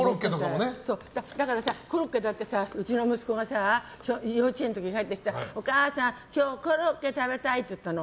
コロッケだってさうちの息子が幼稚園の時に帰ってきてお母さん、今日コロッケ食べたいって言ったの。